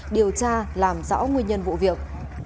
điều tra làm rõ nguyên nhân vụ việc